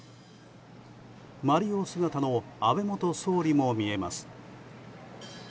マリオ姿の安倍元総理も見えます。